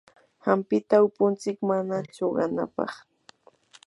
hampita upuntsik mana chuqanapaq.